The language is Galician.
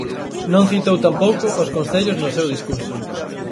Non citou tampouco os concellos no seu discurso.